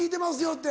って。